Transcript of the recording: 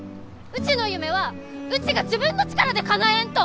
うちの夢はうちが自分の力でかなえんと！